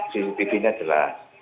sisi bibinya jelas